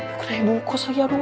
aku kena ibuku sayang aduh